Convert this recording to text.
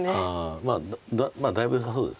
まあだいぶよさそうです。